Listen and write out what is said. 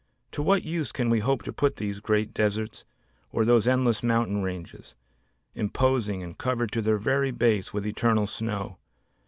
To what use can we hope to put these great deserts or those endless mountain ranges, imposing and covered to their very base with eternal snow?